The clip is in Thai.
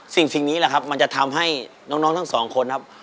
สิ่งนี้แหละครับมันจะทำให้น้องทั้งสองคนครับ